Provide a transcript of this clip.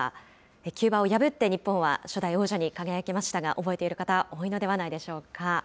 キューバを破って日本は初代王者に輝きましたが、覚えている方、多いのではないでしょうか。